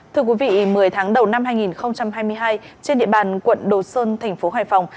thưa quý vị một mươi tháng đầu năm hai nghìn hai mươi hai trên địa bàn quận đồ sơn thành phố hải phòng